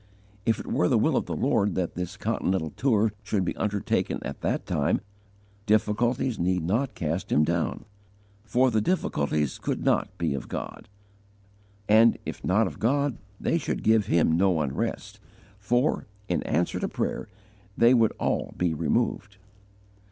If it were the will of the Lord that this Continental tour should be undertaken at that time, difficulties need not cast him down; for the difficulties could not be of God; and, if not of God, they should give him no unrest, for, in answer to prayer, they would all be removed.